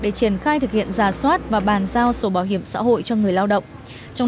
để triển khai thực hiện giả soát và bàn giao sổ bảo hiểm xã hội cho người lao động